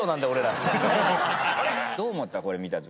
どう思った？